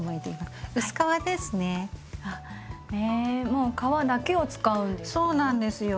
もう皮だけを使うんですか？